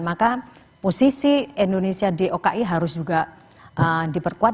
maka posisi indonesia di oki harus juga diperkuat